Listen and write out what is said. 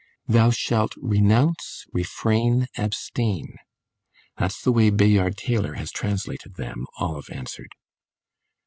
"'Thou shalt renounce, refrain, abstain!' That's the way Bayard Taylor has translated them," Olive answered.